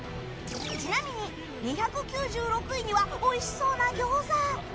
ちなみに、２９６位にはおいしそうな餃子。